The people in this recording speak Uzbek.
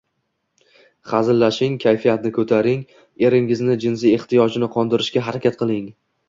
Hazillashing, kayfiyatini ko‘taring, eringizning jinsiy ehtiyojini qondirishga harakat qiling.